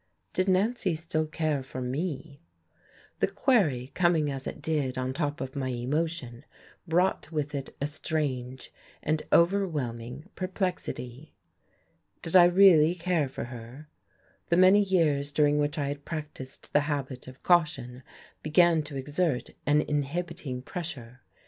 Did Nancy still care for me? The query, coming as it did on top of my emotion, brought with it a strange and overwhelming perplexity. Did I really care for her? The many years during which I had practised the habit of caution began to exert an inhibiting pressure.